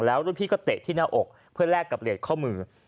แล้วรุ่นพี่ก็เตะที่หน้าอกเพื่อแลกกับเลสข้อมือ